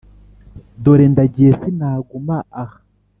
Dore ndagiye sinaguma aha.